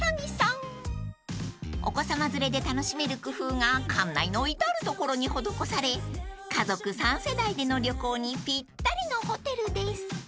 ［お子さま連れで楽しめる工夫が館内の至るところに施され家族３世代での旅行にぴったりのホテルです］